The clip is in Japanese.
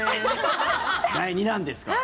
第２弾ですから。